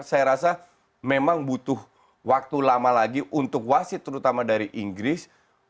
saya rasa memang butuh waktu lama lagi untuk wasit terutama dari inggris